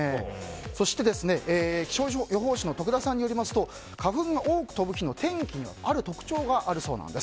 そして、気象予報士の徳田さんによりますと花粉が多く飛ぶ日の天気のある特徴があるそうなんです。